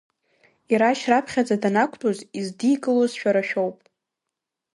Ирашь раԥхьаӡа данақәтәоз, издикылоз шәара шәоуп.